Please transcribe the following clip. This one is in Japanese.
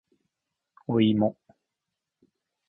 おいも